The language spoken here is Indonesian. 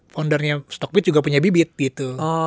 foundernya stockbit juga punya bibit gitu